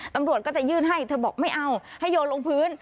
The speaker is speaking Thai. ตำรวจก็จะยื่นให้เธอบอกไม่เอาให้โยนลงพื้น